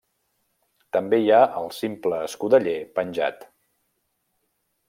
També hi ha el simple escudeller penjat.